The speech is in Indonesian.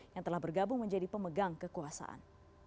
yang telah bergabung menjadi pemegang kekuasaan